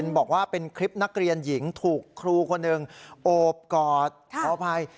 บอกว่าเป็นคลิปนักเรียนหญิงถูกครูคนหนึ่งโอบกอดขออภัย